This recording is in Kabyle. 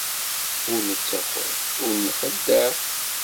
Ur nettaker, ur nxeddeɛ.